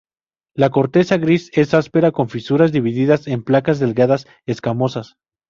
La corteza gris es áspera con fisuras divididas en placas delgadas escamosas.